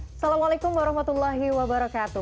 assalamualaikum warahmatullahi wabarakatuh